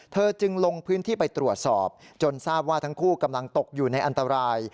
เธอจึงลงพื้นที่ไปตรวจสอบจนทราบว่าทั้งคู่กำลังตกอยู่ในอันตราย